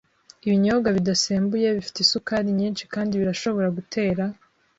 Ibinyobwa bidasembuye bifite isukari nyinshi kandi birashobora gutera